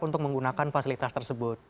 untuk menggunakan fasilitas tersebut